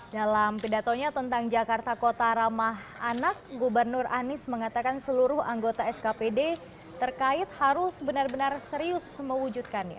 dalam pidatonya tentang jakarta kota ramah anak gubernur anies mengatakan seluruh anggota skpd terkait harus benar benar serius mewujudkannya